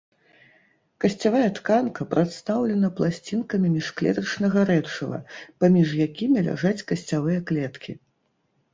Касцявая тканка прадстаўлена пласцінкамі міжклетачнага рэчыва, паміж якімі ляжаць касцявыя клеткі.